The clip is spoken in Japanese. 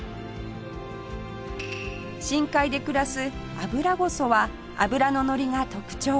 深海で暮らすアブラゴソは脂ののりが特徴